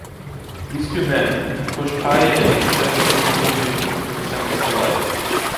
These two men, Cochepaille and Chenildieu, were sentenced to life.